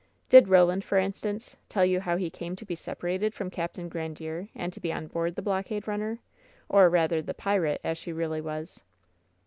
Did Roland, for instance, tell you how he came to be separated from Capt. Grandiere, and to be on board the blockade runner, or rather the pirate, as she really was?"